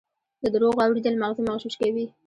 د دروغو اورېدل ماغزه مغشوش کوي.